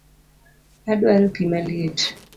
Adwaro pii maliet